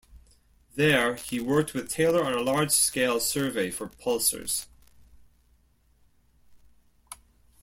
There he worked with Taylor on a large-scale survey for pulsars.